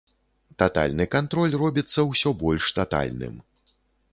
Татальны кантроль робіцца ўсё больш татальным.